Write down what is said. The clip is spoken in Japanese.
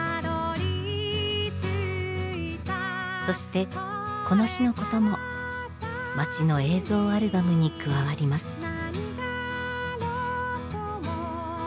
そしてこの日のことも町の映像アルバムに加わります。